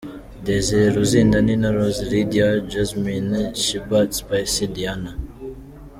Desire Luzinda Nina Roz Lydia Jazmine Sheebah Spice Diana.